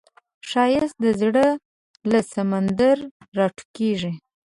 ښایست د زړه له سمندر راټوکېږي